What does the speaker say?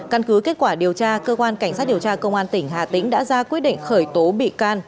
căn cứ kết quả điều tra cơ quan cảnh sát điều tra công an tỉnh hà tĩnh đã ra quyết định khởi tố bị can